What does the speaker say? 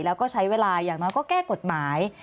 แล้วก็ใช้เวลาอย่างน้อยก็แก้กฎหมาย